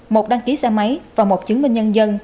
một đăng ký xe máy và một chứng minh nhân dân